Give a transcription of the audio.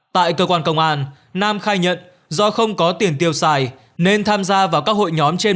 tại cơ quan công an nam khai nhận do không có tiền tiêu xài nên tham gia vào các hội nhóm trên